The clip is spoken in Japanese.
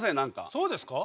そうですか？